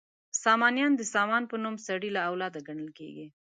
سامانیان د سامان په نوم سړي له اولاده ګڼل کیږي.